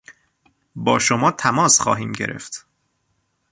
با شما تماس خواهیم گرفت.